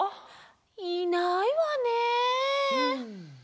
いないわね。